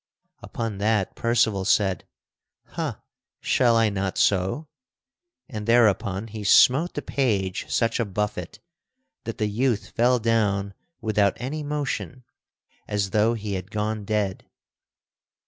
Upon that Percival said, "Ha! shall I not so?" And thereupon he smote the page such a buffet that the youth fell down without any motion, as though he had gone dead.